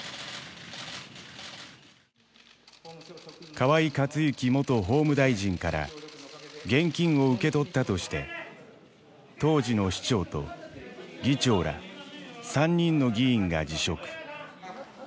河井克行元法務大臣から現金を受け取ったとして当時の市長と議長ら３人の議員が辞職。